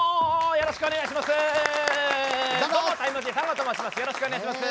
よろしくお願いします。